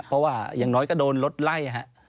เพราะว่าอย่างน้อยก็โดนรถไล่ฮะ